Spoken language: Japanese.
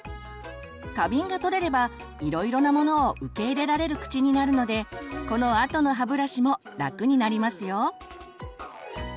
過敏がとれればいろいろなものを受け入れられる口になるのでこのあとの歯ブラシも楽になりますよ。